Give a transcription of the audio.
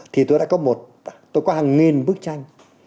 thì tôi đã có hàng nghìn bức tranh